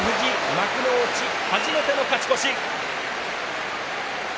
幕内、初めての勝ち越し。